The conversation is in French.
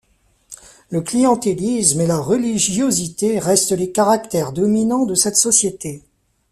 Le clientélisme et la religiosité restent les caractères dominants de cette société.